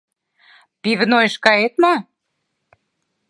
Пивнойыш кает мо?